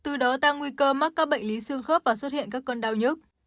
từ đó tăng nguy cơ mắc các bệnh lý xương khớp và xuất hiện các cơn đau nhức